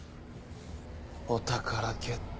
お宝ゲット。